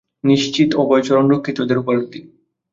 নিশ্চিত অভয়চরণ রক্ষিত এদের উপাধি।